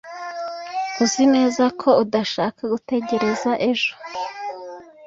Uzi neza ko udashaka gutegereza ejo